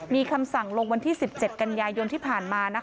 มีคำสั่งลงวันที่๑๗กันยายนที่ผ่านมา